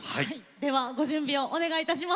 ではご準備をお願いいたします。